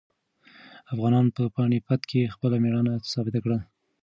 افغانانو په پاني پت کې خپله مېړانه ثابته کړه.